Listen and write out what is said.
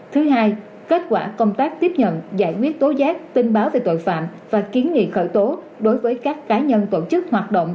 thứ hai kết quả công tác tiếp nhận giải quyết tố giác tin báo về tội phạm và kiến nghị khởi tố đối với các cá nhân tổ chức hoạt động